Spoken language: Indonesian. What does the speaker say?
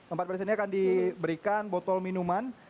empat dari sini akan diberikan botol minuman